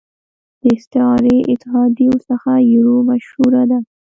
د اسعاري اتحادیو څخه یورو مشهوره ده.